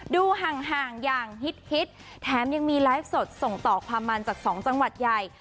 ดูห่างอย่างฮิตแถมยังมีไลฟ์สดส่งต่อความมันจากสองจังหวัดใหญ่